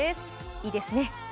いいですね。